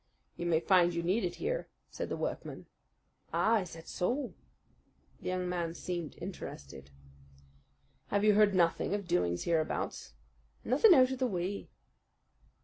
"You may find you need it here," said the workman. "Ah! is that so?" The young man seemed interested. "Have you heard nothing of doings hereabouts?" "Nothing out of the way."